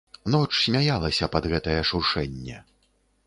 Ноч смяялася пад гэтае шуршэнне.